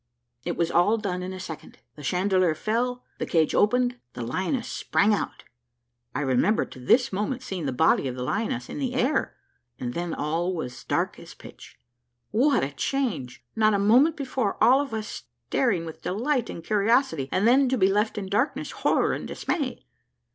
It was all done in a second; the chandelier fell, the cage opened, and the lioness sprang out. I remember to this moment seeing the body of the lioness in the air, and then all was dark as pitch. What a change! not a moment before all of us staring with delight and curiosity, and then to be left in darkness, horror, and dismay!